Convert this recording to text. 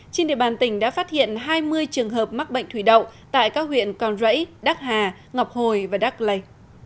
trên địa bàn tỉnh đã phát hiện hai mươi trường hợp mắc bệnh thủy đậu tại các huyện con rẫy đắc hà ngọc hồi và đắc lây